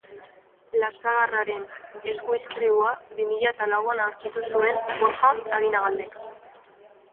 Lazarragaren eskuizkribua bi mila eta lauan aurkitu zuen Borja Aginagaldek.